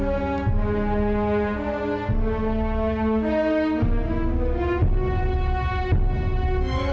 aku gak akan menyerah cari anissa